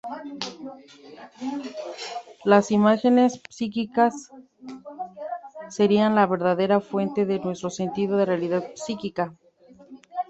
Las imágenes psíquicas serían la verdadera fuente de nuestro sentido de "realidad psíquica".